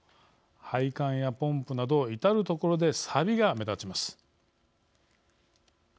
配管やポンプなど至る所でさびが目立ちます。